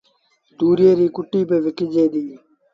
تُوريئي ريٚ ڪُٽيٚ با وڪجي ديٚ